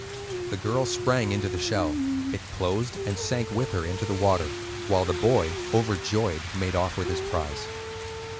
The girl sprang into the shell; it closed, and sank with her into the water, while the boy, overjoyed, made off with his prize.